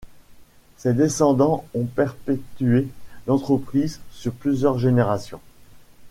Ses descendants ont perpétué l'entreprise sur plusieurs générations.